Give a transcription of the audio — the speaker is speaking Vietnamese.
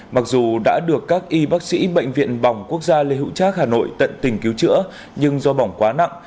mặc dù đã được các y bác sĩ bệnh viện bỏng quốc gia lê hữu trác hà nội tận tình cứu chữa nhưng do bỏng quá nặng